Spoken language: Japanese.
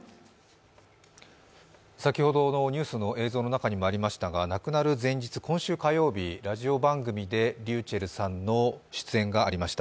先ほどのニュースの映像の中にもありましたが、亡くなる前日、今週火曜日、ラジオ番組でｒｙｕｃｈｅｌｌさんの出演がありました。